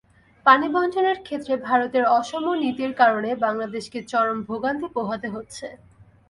পানিবণ্টনের ক্ষেত্রে ভারতের অসম নীতির কারণে বাংলাদেশকে চরম ভোগান্তি পোহাতে হচ্ছে।